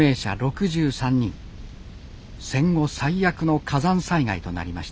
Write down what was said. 戦後最悪の火山災害となりました